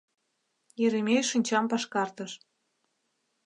Еремей шинчам пашкартыш.